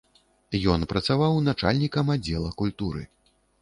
Ён працаваў начальнікам аддзела культуры.